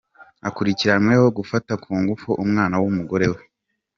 Akurikiranweho gufata ku ngufu umwana w’umugore we